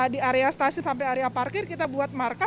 di area stasiun sampai area parkir kita buat marka